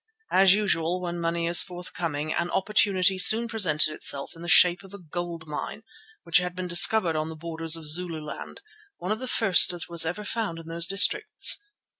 As usual when money is forthcoming, an opportunity soon presented itself in the shape of a gold mine which had been discovered on the borders of Zululand, one of the first that was ever found in those districts.